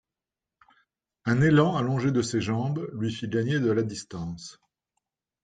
Un élan allongé de ses jambes lui fit gagner de la distance.